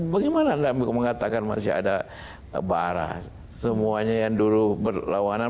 bagaimana mengatakan masih ada barah semuanya yang dulu berlawanan